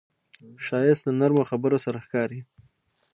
ښایست له نرمو خبرو سره ښکاري